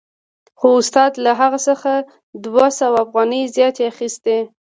خو استاد له هغه څخه دوه سوه افغانۍ زیاتې اخیستې